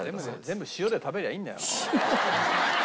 全部塩で食べりゃいいんだよ。